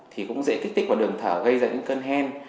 thì cũng dễ kích tích vào đường thở gây ra những cơn hen